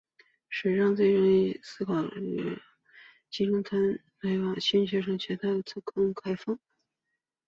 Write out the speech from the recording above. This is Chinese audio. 校史馆仅对上级考察团及友好学校来访团及入学新生团体参观开放。